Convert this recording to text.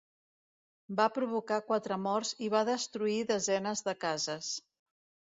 Va provocar quatre morts i va destruir desenes de cases.